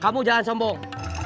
kamu jangan sombong